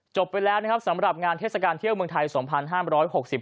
จบไปแล้วนะครับสำหรับงานเทศกาลเที่ยวเมืองไทยสองพันห้ามร้อยหกสิบ